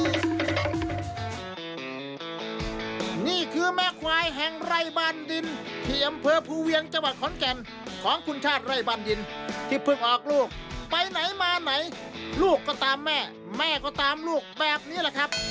นี่คือแม่ควายแห่งไร่บ้านดินที่อำเภอภูเวียงจังหวัดขอนแก่นของคุณชาติไร่บ้านดินที่เพิ่งออกลูกไปไหนมาไหนลูกก็ตามแม่แม่ก็ตามลูกแบบนี้แหละครับ